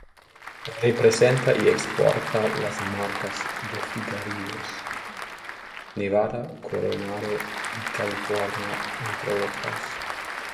Representa y exporta las marcas de cigarrillos: Nevada, Coronado y California, entre otras.